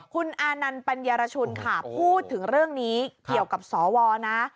คุณอานันต์ปัญญารชุนค่ะพูดถึงเรื่องนี้เกี่ยวกับสวนะ